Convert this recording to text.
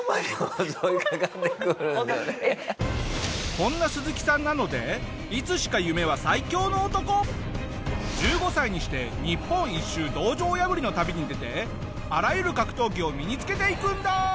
こんなスズキさんなのでいつしか１５歳にして日本一周道場破りの旅に出てあらゆる格闘技を身につけていくんだ！